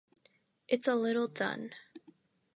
It's a little done.